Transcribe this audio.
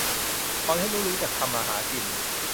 สอนให้ลูกรู้จักทำมาหากิน